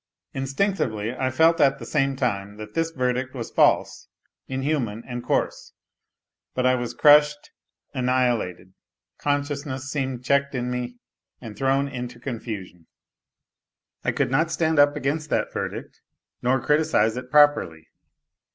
Instinctively I felt at the same time that tin's verdict was false, inhuman, and coarse ; but I was crushed, annihilated; consciousness seemed checked in me and thrown into confusion ; I could not stand up against that verdict, nor criticize it properly.